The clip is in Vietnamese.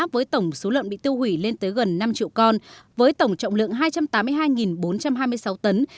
với tổng số lợn bị tiêu hủy lên tới gần năm triệu con với tổng trọng lượng hai trăm tám mươi hai bốn trăm hai mươi sáu tấn